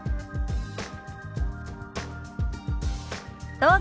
どうぞ。